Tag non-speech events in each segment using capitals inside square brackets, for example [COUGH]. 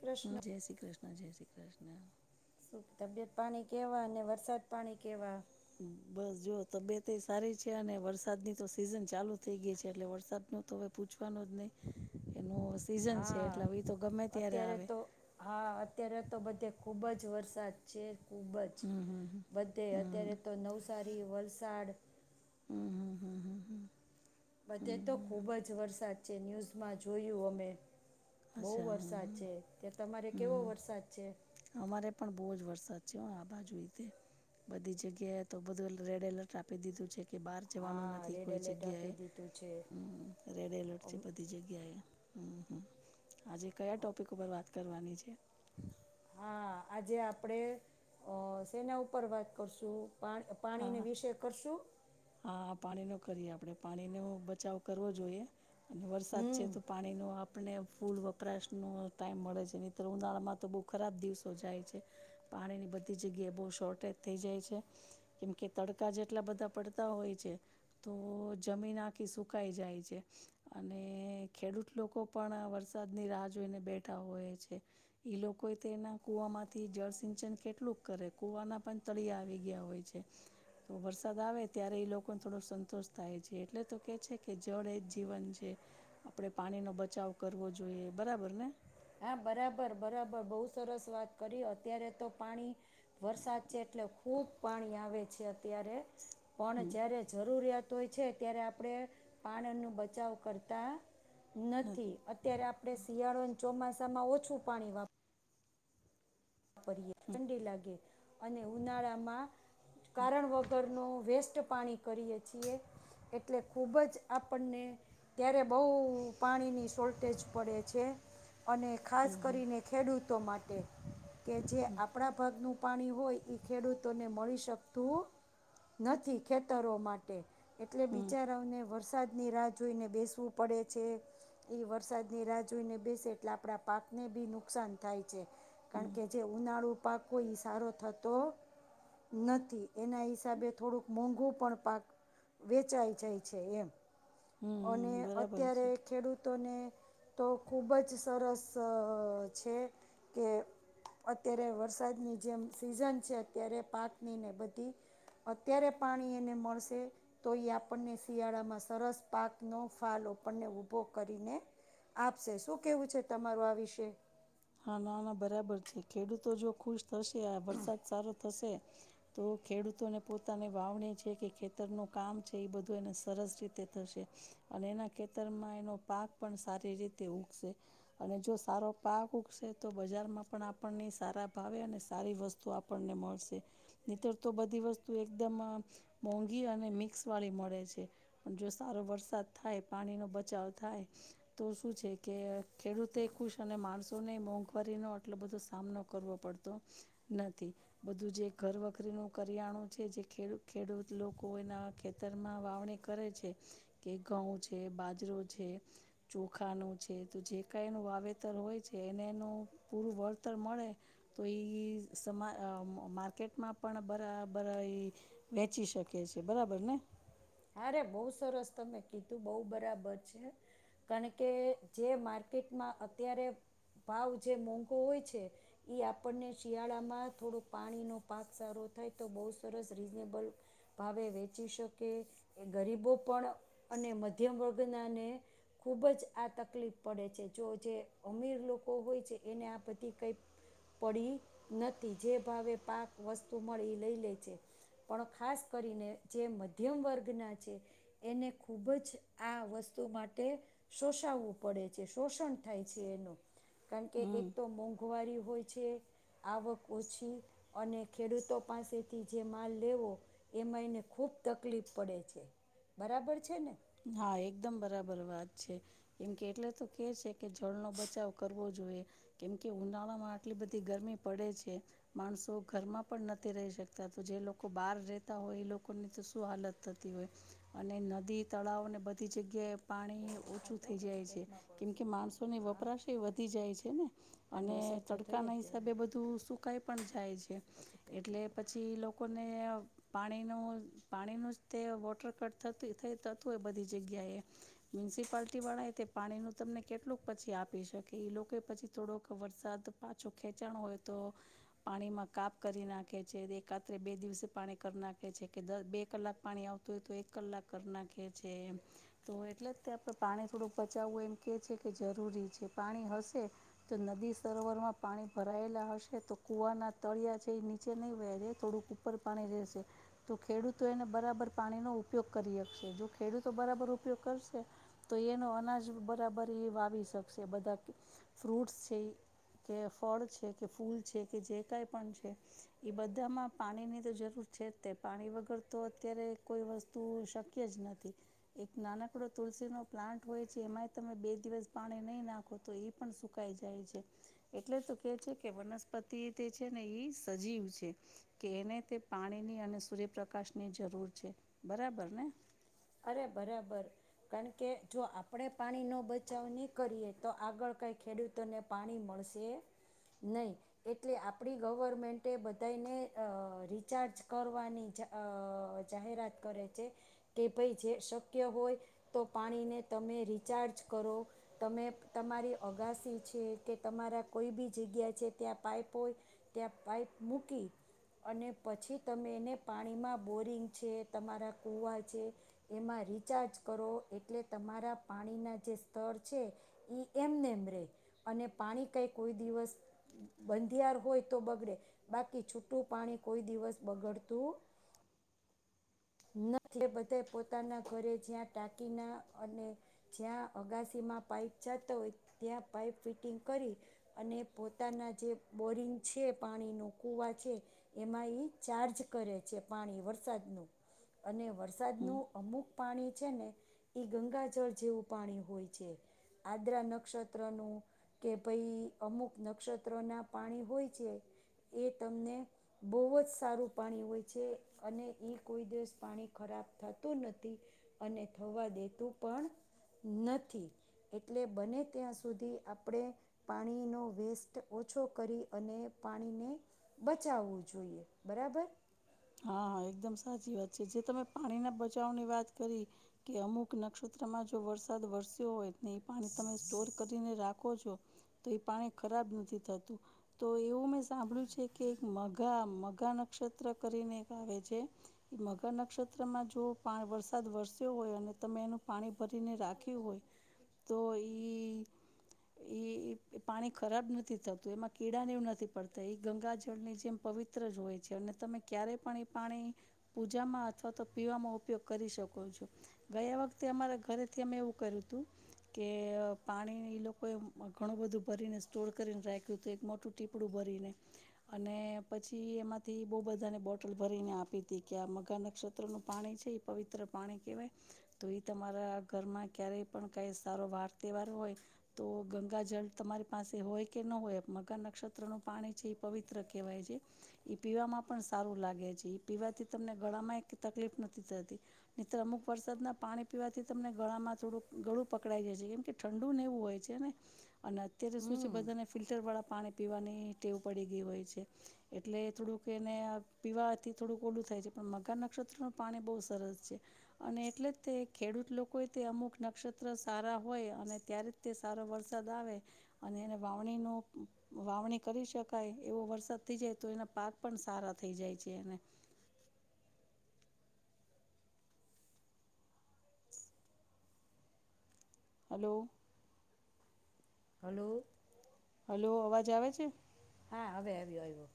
કૃષ્ણ હા જય શ્રી કૃષ્ણ જય શ્રી કૃષ્ણ. તબિયત પાણી કેહેવા અને વરસાદ પાણી કેવા બસ જો તબિયત એ સારી છે અને વરસાદની તો સિઝન ચાલુ થઇ ગઈ છે એટલે વરસાદનું તો હવે પૂછવાનું જ નહી એનું સીઝન છે એટલે હા ઈ એ તો ગમે ત્યારે અત્યારે આવે. તો હા અત્યારે તો બધે ખુબ જ વરસાદ છે. ખૂબ જ હમ હમ બધે હમ અત્યારે તો નવસારી વલસાડ હમ હમ હમ હમ હમ. બધે હમ તો હમ ખૂબ જ વરસાદ છે ન્યૂઝમાં જોયું અમે બહુ અચ્છા હમ વરસાદ હમ છે ત્યા તમારે કેવો હમ વરસાદ છે. અમારે પણ બહુજ વરસાદ છે આ બાજુતે. બધી જગ્યાએ તો બધું રેડ એલર્ટ આપી દીધું છે કે બહાર જવાનું હા નથી. તે રેડ કોઈ એલર્ટ જગ્યાએ આપી દીધું છે હમ રેડ એલર્ટ અમ, છે બધી જગ્યાએ. હમ હમ આજે કયા ટોપિક ઉપર વાત કરવાની છે. હા આજે આપણેે અ સેના ઉપર વાત કરશું પા. હા પાણીને વિષે કરશું. હા પાણી નો કરીએ આપણેે પાણીનો બચાવ કરવો જોઈએ. વરસાદ છે તો પાણી નુ આપ. આપને ફૂલ વપરાશનો ટાઈમ મળે છે ન તોર ઉનાળામાં તો બહુ ખરાબ દિવસો જાય છે. પાણીની બધી જગ્યાએ બહુ શોર્ટેજ થઈ જાય છે. કેમ કે તડકા જેટલા બધા પડતા હોય છે. તો જમીન આખી સુકાઈ જાય છે. અને ખેડૂત લોકો પણ વરસાદની રાહ જોઈને બેઠા હોય છે. લોકો તો એના કુવામાંથી જળ સિંચન કેટલુંક કરે કુવાના પણ તળિયા આવી ગયા હોય છે. તો વરસાદ આવે ત્યારે એ લોકોને થોડોક સંતોષ થાય છે એટલે તો કે છે કે જળ એ જ જીવન છે. આપડણે પાણી નો બચાવ કરવો જોઈએ બરાબર ને. હા બરાબર બરાબર બહુ સરસ વાત કરી અત્યારે તો પાણી વરસાદ છે એટલે ખૂબ પાણી આવે છે અત્યારે પણ હમ જય્યારે જરૂરિયાત હોય છે ત્યારે આપણે પાણીનો બચાવ કરતા હમ નથી અત્યારે આપણે શિયાળોને ચોમાસા માં ઓછું પાણી વાપર ઠંડી લાગે અને ઉનાળામાં કારણ વગર ન વેસ્ટ પાણી કરીએે છીએ એટલે ખુબજ આપણને ત્યારે બહુ પાણીની શોલટેેજ પડે છે અને ખાસ કરીને ખેડૂતો માટે. કે જે આપણા ભાગનું પાણી હોય ખેડૂતોને મળી શકતું નથી ખેતરો માટે એટલે હમ બિચારાઓને વરસાદની રા જોઈને બેસવું પડે છે. એ વરસાદની રાહ જોઈને બેસે એટલે આપણા પાકને બી નુકસાન થાય છે. હમ કારણ કે જે ઉનાળુ પાકો ઈ સારો થતો નથી એના હિસાબે થોડુંક મોંઘું પણ પાક વેચાઈ જાય છે એમ અને હમ બરાબર અત્યારે છે ખેડૂતોને તો ખૂબજ સરસ છે કે અત્યારે વરસાદની જેમ સીઝન છે અત્યારે પાકની ને બધી અત્યારે પાણી એને મળશે. તો એ આપણને શિયાળામાં સરસ પાક ન ફળ આપણને ઉભો કરીને. આપશે શું કેવું છે તમારું આ વિશે? હા ના ના બરાબર છે ખેડૂતો જો ખુશ થશે આ વરસાદ સારો થશે. તો ખેડૂતોને પોતાની વાવણી છે કે ખેતરનું કામ છે એ બધું એને સરસ રીતે થશે. અને એના ખેતરમાં એનો પાક પણ સારી રીતે ઉગશે. અને જો સારો પાક તો બજારમાં પણ આપણને સારા ભાવે અને સારી વસ્તુ આપણને મળશે. નીતર તો બધી વસ્તુ એકદમ મોંઘી અને મિક્સ વાળી મળે છે. પણ જો સારો વરસાદ થાય પાણીનો બચાવ થાય તો શું છે કે ખેડૂતે ખુશ અને માણસો અને મોંઘવારીનો આટલો બધો સામનો કરવો પડતો નથી. બધું જે ઘર વખરીનું કરિયાણું છે જે ખેડૂત ખેડૂત લોકો એના ખેત ખેતરમાં વાવણી કરે છે કે ઘઉં છે, બાજરો છે. ચોખાનું છે તો જે કઈનુ વાવેતર હોય, એને એનું પૂરું વળતર મળે. તો એ સમા અ માર્કેટમાં પણ ભરા ભરાય. વેચી શકે છે બરાબર ને. અરે બહુ સરસ તમે કીધું બહુ બરાબર છે કારણ કે જે માર્કેટમાં અત્યારે ભાવ જે મોંઘો હોય છે એ આપણને શિયાળામાં થોડુંક પાણીનો પાક સારો થાય તો બહુ સરસ રીઝનેબલ ભાવે વેચી શકે એ ગરીબો પણ અને મધ્યમ વર્ગનાને ખૂબ જ આ તકલીફ પડે છે. જો જે અમીર લોકો હોય છે એને આ બધી કંઈક પડી નથી જે ભાવે પાક વસ્તુ મળી લઈ લે છે. પણ ખાસ કરીને જે મધ્યમ વર્ગના છે. એને ખૂબ જ આ વસ્તુ માટે શોષાવવું પડે છે શોષણ થાય છે એનું કારણકે હમ એક તો મોંઘ મોંગવારી હોય છે આવક ઓછી. અને ખેડૂતો પાસેથી જે માલ લેવો. એમાં એને ખુબ તકલીફ પડે છે બરાબર છે ને. હા એકદમ બરાબર વાત છે એમ કે એટલે તો કે છે કે જળનો બચાવ કરવો જોઈએ કેમકે ઉનાળામાં આટલી બધી ગરમી પડે છે. માણસો ઘરમાં પણ નથી રહી શકતા તો જે લોકો બહાર રતા હોય એ લોકો ની તો શું હાલત થતી હોય અને નદી તળાવને બધી જગ્યાએ પાણી બોલો ઓછું ખાતો થઈ પછી જાય છે પેટમાં બળશે કેમકે માણસોની હા વપરાશ એ વધી જાય છે ને અને આની અસર તો થઈ તડકા જ ના હિસાબે જાય બધું સુકાઈ પણ જાય છે પછી પેટમાં એટલે બળશે પછી લોકો લોકોને પાણીનું પાણીનું જ તે વોટર કટ થતું થઈ તોય બધી જગ્યાએ મ્યુનિસિપાલટી વાળા એ તે પાણી નું તમને કેટલુંક પછી આપી શકે લોકો પછી થોડોક વરસાદ પાછું ખેંચાણ હોય તો, પાણીમાં કાપ કરી નાખે છે એક રાત્રે બે દિવસે પાણી કરી નાખે છે કે બે કલાક પાણી આવતું હોય તો એક કલાક કર નાખે છે. તો એટલે જ તે આપણે પાણી થોડુંક પચાવવું એમ કેહે છે કે જરૂરી છે પાણી હશે તો નદી સરોવરમાં પાણી ભરાયેલા હશે તો કુવાના તળિયા જે એ નીચે નહીં વહેરેે થોડુંક ઉપર પાણી રહેશે તો ખેડૂતો એને બરાબર પાણીનો ઉપયોગ કરી આપશે જો ખેડૂતો બરાબર ઉપયોગ કરશે તો એનો અનાજ બરાબર એ વાવી શકશે બધા ફ્રૂટ્સ છે, કે ફળ છે, કે ફૂલ છે કે જે કઈ પણ છે, એ બધામાં પાણીની તો જરૂર છે જ તે પાણી વગર તો અત્યારે કોઈ વસ્તુ તું શક્ય જ નથી. એક નાનકડો તુલસી નો પ્લાન્ટ હોય છે એમાંય તમે બે દિવસ પાણી નહી નાખો તો એ પણ સુકાઈ જાય છે. એટલે તો કે છે કે વનસ્પતિ તે છે ને એ સજીવ છે. કે એને તે પાણીની અને સૂર્યપ્રકાશ ની જરૂર છે બરાબર ને. અરે બરાબર. કારણ કે જો આપણે પાણીનો બચાવ નહીં કરીએ તો આગળ કંઈ ખેડૂત તને પાણી મળશે નહીં. એટલે આપડી ગવર્મેન્ટ બધાને અ રિચાર્જ કરવાની અ જાહેરાત કરે છે. કે ભાઈ જે શક્ય હોય તો પાણીને તમે રિચાર્જ કરો. તમે તમારી અગાસી છે કે તમારા કોઈ બી જગ્યા છે ત્યાં પાઈપો ત્યાં પાઈપ મૂકી અને પછી તમે એને પાણીમાં બોરિંગ છે તમારા કૂવા છે. એમાં રિચાર્જ કરો એટલે તમારા પાણીના જે સ્તર છે. ઈ એમને એમ રે અને પાણી કઈ કોઈ દિવસ બંધિયાર હોય તો બગડે બાકી છૂટું પાણી કોઈ દિવસ બગડતું નથી બધા પોતાના ઘરે જ્યાં ટાકીના અને- - જ્યાં અગાસીમાં પાઈપ જતો હોય ત્યાં પાઈપ ફિટિંગ કરી અને પોતાના જે બોરિંગ છે પાણી કુવા છે. એમાં ચાર્જ કરે છે પાણી વરસાદનું અને હમ વરસાદનું અમુક પાણી છે ને એઈ ગંગા જળ જેવું પાણી હોય છે. આદ્રા નક્ષત્ર નું કે ભાઈ અમુક નક્ષત્ર ના પાણી હોય છે. એ તમને બહુ જ સારું પાણી હોય છે અને એ- - કોઈ દિવસ પાણી ખરાબ થતું નથી અને થવા દેતું પણ- - નથી એટલે બને ત્યાં સુધી આપણે પાણીનો વેસ્ટ ઓછો કરી અને પાણીને બચાવવું જોઈએ બરાબર. હા, હા એકદમ સાચી વાત છે જે તમે પાણીના બચાવની વાત કરી કે અમુક નક્ષત્રમાં જો વરસાદ વરસ્યો હોય એ પાણી તમે સ્ટોર કરીને રાખો છો. તો એ પાણી ખરાબ નથી થતું. તો એવું મેં સાંભળ્યું છે કે એક મઘા મઘા નક્ષત્ર કરીને એક આવે છે. મઘા નક્ષત્રમાં જો પા વરસાદ વરસ્યો હોય અને તમે એનું પાણી ભરીને રાખ્યું હોય તો ઈ- - એ પાણી ખરાબ નથી થતું એમાં કીડાને એવું નથી પડતા એ ગંગા જળની જેમ પવિત્ર જ હોય છે અને તમે ક્યારે પણ એ પાણી પૂજામાં અથવા તો પીવામાં ઉપયોગ કરી શકો છો. ગયા વખતે અમારા ઘરેથી અમે એવું કર્યું હતું કે પાણી ઈ લોકોએ ઘણું બધું ભરીને સ્ટોર કરીને રાખ્યું હતુ એક મોટું ટીપ ડું ભરીને અને પછી એમાંથી બહું બધા બધાને બોટલ ભરીને આપી હતી કે આ મગા નક્ષત્ર નું પાણી છે એ પવિત્ર પાણી કહેવાય તો એ તમારા ઘરમાં ક્યારેય પણ કઈ સારો વાર તહેવાર હોય તો ગંગા જળ તમારી પાસે હોય કે ન હોય મગા નક્ષત્ર નું પાણી છે એ પવિત્ર કહેવાય છે. પીવામાં પણ સારું લાગે છે પીવાથી તમને ગળામાં તકલીફ નથી થતી. નિતર અમુક વરસાદ ના પાણી પીવાથી તમને ગળામાં થોડું ગળું પકડાઈ જશે કેમ કે ઠંડુ ને એવું હોય છે ને અને અત્યારે શું છે હમ બધાને ફિલ્ટર વાળા પાણી પીવાની ટેવ પડી ગઈ હોય છે એટલે થોડુંક કે એને પીવાથી થોડુંક ઓડું થાય છે પણ મગા નક્ષત્રનું પાણી બહુ સરસ છે. અને એટલે જ તે ખેડૂત લોકોએ તે અમુક નક્ષત્ર સારા હોય અને ત્યારે તે સારો વરસાદ આવે અને એને વાવણીનું વાવણી કરી શકાય એવો વરસાદ થઈ જાય તો એના પાક પણ સારા થઈ જાય છે એને હલો. હલો. હલો અવાજ આવે છે? હા હવે આવ્યો આવ્યો,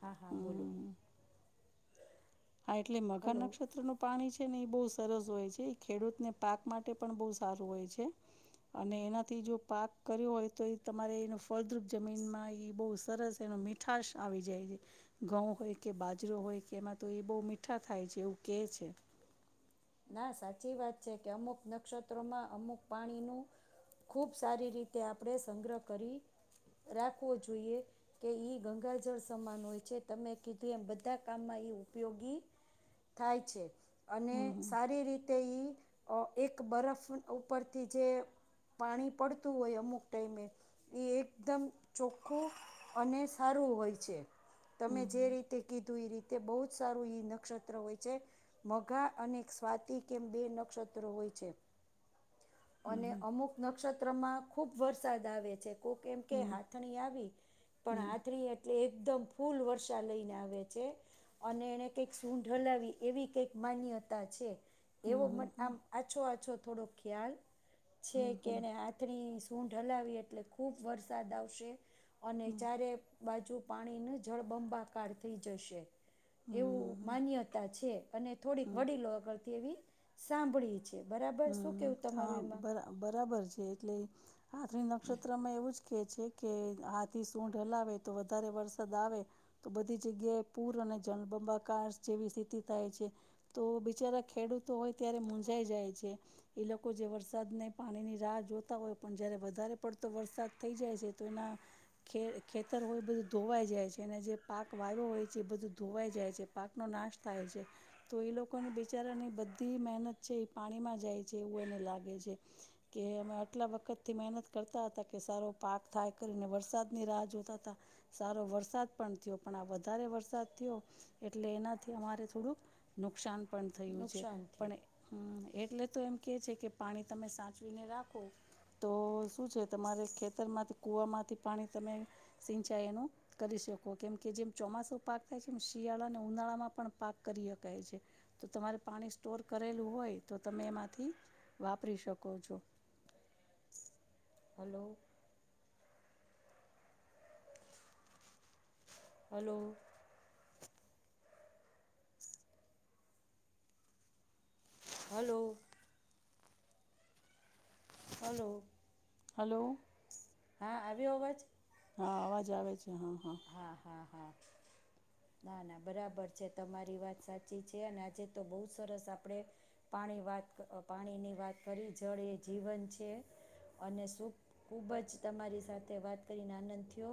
હા હા બોલો. હમ હા, એટલે મગા હલો નક્ષત્ર નો પાણી છે, ને એ બહુ સરસ હોય છે, એ ખેડૂતને પાક માટે પણ બહુ સારું હોય છે. અને એનાથી જો પાક કર્યો હોય તો એ તમારે એનો ફળદ્રુપ જમીનમાં એ બહુ સરસ એનો મીઠ- - ઉઠાશ આવી જાય છે, ઘઉં હોય કે બાજરો હોય કે એમાં- - તો એ બહુ મીઠા થાય છે, એવું કહે છે. ના સાચી વાત છે, કે અમુક નક્ષત્રોમાં અમુક પાણી નું- - ખુબ સારી રીતે આપણે સંગ્રહ કરી રાખવો જોઈએ. કે ઈ ગંગાજળ સમાન હોય છે, તમે કીધું એમ બધા કામમાં ઉપયોગી- - થાય છે, અને- - સારી રીતે એક બરફ ઉપરથી જે- - પાણી પડતું હોય અમુક ટાઈમે એ એકદમ ચોખ્ખું અને સારું હોય છે, તમે જે રીતે તે કીધું એ રીતે બો જ સારું એ નક્ષત્ર હોય છે, મોઘા અને, સ્વાથી કેમ બે નક્ષત્ર હોય છે, અને અમુક નક્ષત્ર ખુબ વરસાદ આવે છે, કો કેમ કે હમ હાથણી આવી પણ હમ હાથરી એટલે એકદમ ફૂલ વર્ષા લઈને આવે છે અને એણે કંઈક સૂઢ હલાવી એવી કંઈક માન્ય છે, એવો હમ મ હમ આમ આછો આછો થોડો ખ્યાલ છે, કે એને [UNINTELLIGIBLE] સૂંઢ હલાવી એટલે ખૂબ વરસાદ આવશે અને ચારે બાજુ પાણીનુ જળબંબાકાર થઈ જશે હમ એવું હમ માન્યતા છે અને થોડીક હમ વડીલોગળથી એવી સાંભળી છે, બરાબર શું હમ કેવું હા તમારું એમાં [UNINTELLIGIBLE] બરાબર છે, એટલે આથ્રી નક્ષત્રમાં એવું જ કે છે, કે હાથી સૂઢ હલાવે તો વધારે વરસાદ આવે તો બધી જગ્યાએ પૂર અને જલબંબાકાર જેવી સ્થિતિ થાય છે તો બિચારા ખેડૂતો હોય ત્યારે મુંજાઈ જાય છે એ લોકો જે વરસાદને પાણીની રાહ જોતા હોય પણ જ્યારે વધારે પડતો વરસાદ થઈ જાય છે, તો એના ખે ખેતર હોય એ બધું ધોવાઈ જાય છે, અને જે પાક વાવ્યો હોય છે, એ બધું ધોવાઈ જાય છે પાકનો નાશ થાય છે, તો એ લોકોની બિચારાની બધી મહેનત છે, એ પાણીમાં જાય છે, એવું એને લાગે છે કે અમે આટલા વખત થી મેનત કરતા હતા કે સારો પાક થાય કરીને વરસાદ ની રાહ જોતા હતા સારો વરસાદ પણ થીયો પણ આ વધારે વરસાદ થીયો એટલે એનાથી અમારે થોડુંક નુકસાન પણ થયું છે, નુકસાન થયું પણ એટલે તો એમ કેય છે, કે પાણી તમે સાચવીને રાખો તો શું છે, તમારે ખેતરમાંથી કુવા માંથી પાણી તમે સિંચાઈ એનું કરી શકો કેમ કે જેમ ચોમાસું પાક થાય છે, એમ શિયાળાને ઉનાળામાં પણ પાક કરી હકાય છે તો તમારે પાણી સ્ટોર કરેલું હોય તો તમે એમાંથી વાપરી શકો છો હાલો હાલો હાલો હાલો હાલો હા આવીયો અવાજ હા અવાજ આવે છે, હા હા હા હા ના ના બરાબર છે, તમારી વાત સાચી છે, અને આજે તો બો સરસ આપડે પાણી વાત પાણીની વાત કરી જળ એ જીવન છે અને [UNINTELLIGIBLE] ખુબ જ તમારી સાથે વાત કરીને આનંદ થીયો